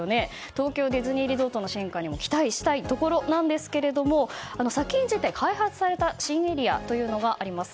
東京ディズニーリゾートの進化にも期待したいところですが先んじて開発された新エリアというのがあります。